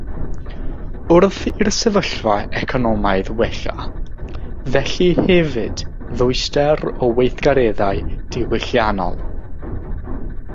Wrth i'r sefyllfa economaidd wella, felly hefyd ddwyster o weithgareddau diwylliannol.